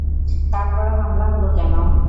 তারপরও হামলা হলো কেন?